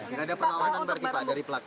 enggak ada perlawanan dari pelaku